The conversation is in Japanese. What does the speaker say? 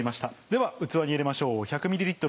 では器に入れましょう。